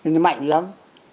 nó mạnh lắm